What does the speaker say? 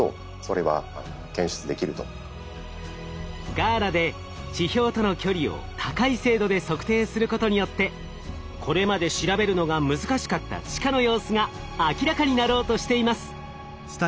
ＧＡＬＡで地表との距離を高い精度で測定することによってこれまで調べるのが難しかった地下の様子が明らかになろうとしています。